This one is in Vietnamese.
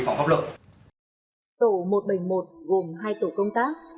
tổ một trăm bảy mươi một gồm hai tổ công tác